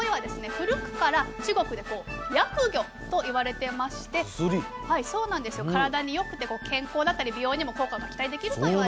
古くから中国で「薬魚」といわれてまして体に良くて健康だったり美容にも効果が期待できるといわれています。